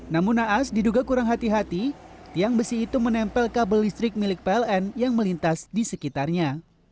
namun naas diduga kurang hati hati tiang besi itu menempel kabel listrik milik pln yang melintas di sekitarnya